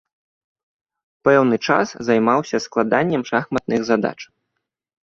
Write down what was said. Пэўны час займаўся складаннем шахматных задач.